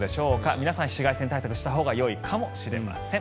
皆さん、紫外線対策をしたほうがいいかもしれません。